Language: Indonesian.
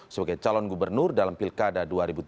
sebagai calon gubernur dalam pilkada dua ribu tujuh belas